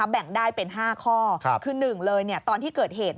แบ่งได้เป็น๕ข้อคือ๑เลยตอนที่เกิดเหตุ